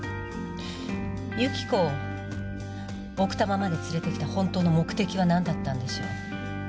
由紀子を奥多摩まで連れてきた本当の目的はなんだったんでしょう？